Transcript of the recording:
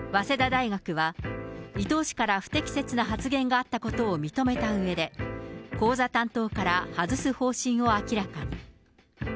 早稲田大学は、伊東氏から不適切な発言があったことを認めたうえで、講座担当から外す方針を明らかに。